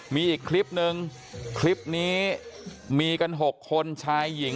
มีอีกคลิปนึงคลิปนี้มีกัน๖คนชายหญิง